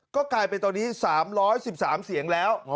ก็กลายเป็นตอนนี้สามร้อยสิบสามเสียงแล้วอ๋อ